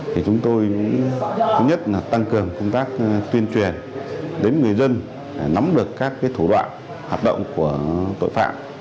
thì chúng tôi cũng thứ nhất là tăng cường công tác tuyên truyền đến người dân nắm được các thủ đoạn hoạt động của tội phạm